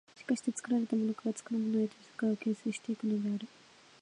しかして作られたものから作るものへと世界を形成し行くのである。